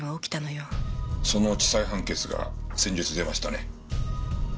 その地裁判決が先日出ましたね。